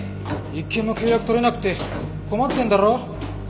１件も契約とれなくて困ってるんだろ？